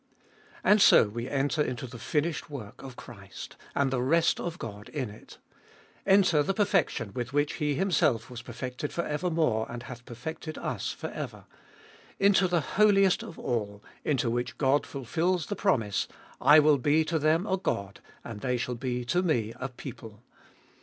And so we enter into the finished work of Christ, and the rest of God in it ; enter the perfection with which He Himself was perfected for evermore, and hath perfected us for ever ; into that Holiest of All, into which God fulfils the promise, I will be to them a God, and they shall be to Me a people.